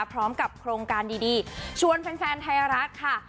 พร้อมกับโครงการดีชวนแฟนไทยรัฐค่ะ